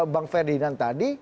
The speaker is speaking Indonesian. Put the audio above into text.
bang ferdinand tadi